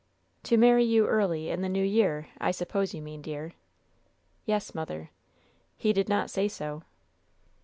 "To marry you early in the new year, I suppose you mean, dear." "Yes, mother." "He did not say so."